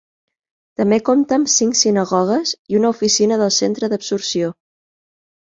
També compta amb cinc sinagogues i una oficina del Centre d'Absorció.